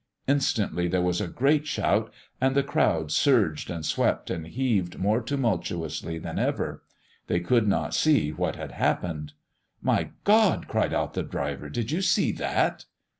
Instantly there was a great shout, and the crowd surged and swept and heaved more tumultuously than ever. They could not see what had happened. "My God!" cried out the driver, "did you see that?"